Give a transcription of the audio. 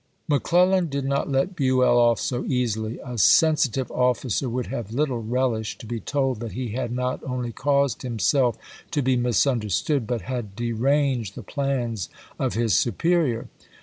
McClellan did not let Buell off so easily. A sensi tive officer would have little relished to be told that he had not only caused himself to be misunder stood, but had deranged the plans of his superior.